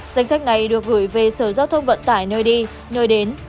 danh sách này được gửi về sở giao thông vận tải nơi đi nơi đến